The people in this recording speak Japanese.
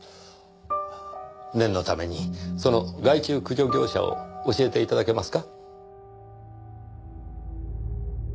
念のためにその害虫駆除業者を教えて頂けますか？